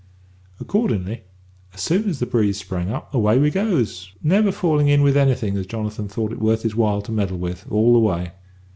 "Accordin'ly, as soon as the breeze sprang up, away we goes, never falling in with anything as Johnson thought it worth his while to meddle with all the way.